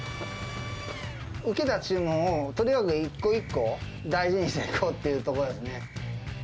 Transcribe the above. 受けた注文を、とにかく一個一個大事にしていこうというところですね。